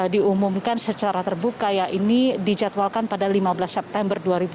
diumumkan secara terbuka ya ini dijadwalkan pada lima belas september dua ribu dua puluh